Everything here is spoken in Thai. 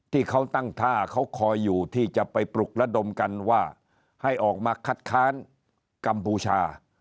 ที่เขาตั้งท่าเขาคอยอยู่ที่จะไปปลุกระดมกันว่าให้ออกมาคัดค้านกัมพูชา